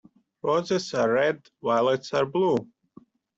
Roses are red, violets are blue.